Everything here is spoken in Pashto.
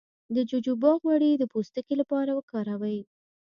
د جوجوبا غوړي د پوستکي لپاره وکاروئ